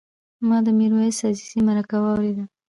ما د میرویس عزیزي مرکه واورېده.